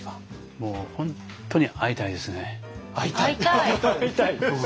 もう本当に会いたいですね。